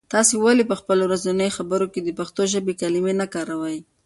تاسې ولې په خپلو ورځنیو خبرو کې د پښتو ژبې کلمې نه کاروئ؟